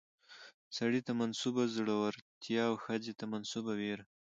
سړي ته منسوبه زړورتيا او ښځې ته منسوبه ويره